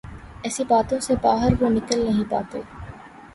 ایسی باتوں سے باہر وہ نکل نہیں پاتے۔